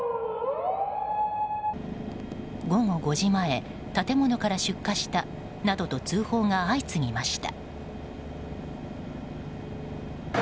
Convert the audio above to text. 午後５時前建物から出火したなどと通報が相次ぎました。